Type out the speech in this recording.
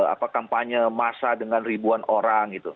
apa kampanye massa dengan ribuan orang gitu